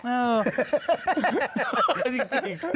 เออ